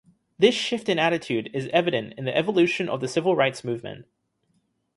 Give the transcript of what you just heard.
This shift in attitude is evident in the evolution of the Civil Rights Movement.